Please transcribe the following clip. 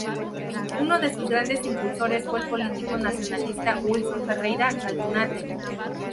Uno de sus grandes impulsores fue el político nacionalista Wilson Ferreira Aldunate.